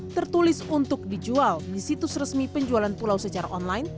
tertulis untuk dijual di situs resmi penjualan pulau secara online